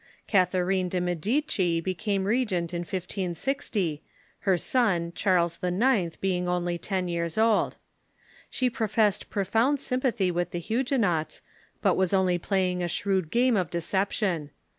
Catharine de' Medici became regent in 1560, her son, Charles IX., being only ten years old. She professed profound s^mi pathy with the Huguenots, but Avas only playing a shrcAvd game of deception.